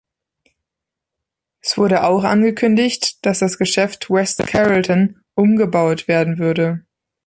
Es wurde auch angekündigt, dass das Geschäft West Carrollton „umgebaut“ werden würde.